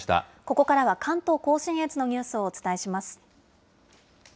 ここからは関東甲信越のニュースをお伝えします。